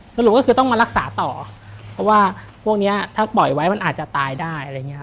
สรุปคือต้องมารักษาต่อเพราะว่าพวกนี้ถ้าปล่อยไว้อาจจะตายได้